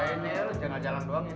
ini lo jalan jalan doang ini